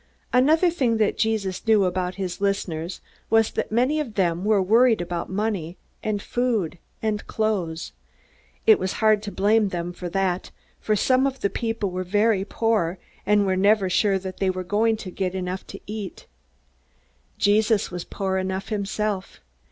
Another thing that Jesus knew about his listeners was that many of them were worried about money, and food and clothes. It was hard to blame them for that; for some of the people were very poor, and were never sure that they were going to get enough to eat. Jesus was poor enough himself.